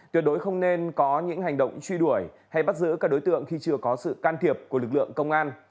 tuyệt đối không nên có những hành động truy đuổi hay bắt giữ các đối tượng khi chưa có sự can thiệp của lực lượng công an